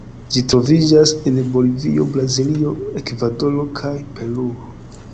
Ĝi troviĝas en Bolivio, Brazilo, Ekvadoro kaj Peruo.